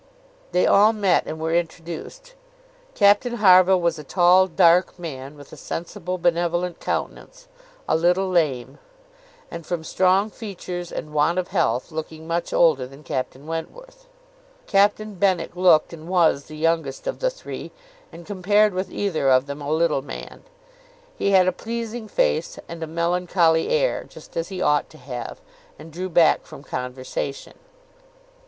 They all met, and were introduced. Captain Harville was a tall, dark man, with a sensible, benevolent countenance; a little lame; and from strong features and want of health, looking much older than Captain Wentworth. Captain Benwick looked, and was, the youngest of the three, and, compared with either of them, a little man. He had a pleasing face and a melancholy air, just as he ought to have, and drew back from conversation.